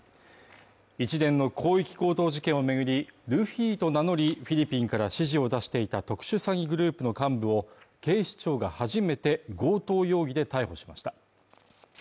一連の広域強盗事件を巡り、ルフィと名乗りフィリピンから指示を出していた特殊詐欺グループの幹部を警視庁が初めて強盗容疑で逮捕しました。